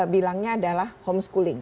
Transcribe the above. bilangnya adalah homeschooling